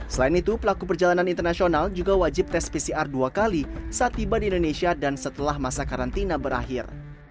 selain itu pelaku perjalanan internasional juga wajib tes pcr dua kali saat tiba di indonesia dan setelah masa karantina berakhir